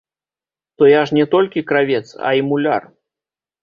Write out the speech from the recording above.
То я ж не толькі кравец, а і муляр.